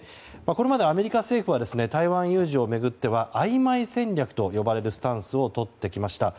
これまでアメリカ政府は台湾有事を巡ってはあいまい戦略と呼ばれるスタンスをとってきました。